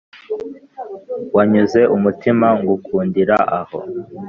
wanyuze umutima ngukundira aho